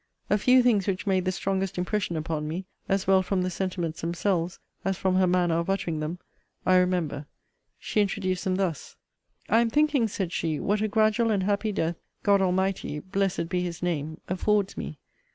A few things which made the strongest impression upon me, as well from the sentiments themselves as from her manner of uttering them, I remember. She introduced them thus: I am thinking, said she, what a gradual and happy death God Almighty (blessed be his name) affords me!